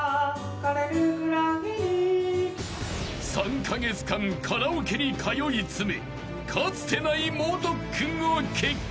［３カ月間カラオケに通い詰めかつてない猛特訓を決行］